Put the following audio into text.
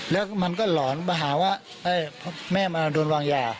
แล้วมันก็หลอนมาหาว่าแม่มาโดนวางยา